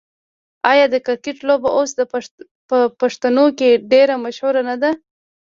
آیا د کرکټ لوبه اوس په پښتنو کې ډیره مشهوره نه ده؟